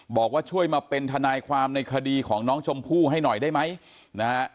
บอกว่าช่วยมาเป็นทนายความในคดีของน้องชมพู่ให้หน่อยได้ไหมนะฮะ